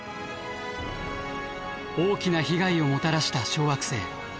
大きな被害をもたらした小惑星。